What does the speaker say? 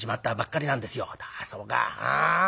「ああそうか。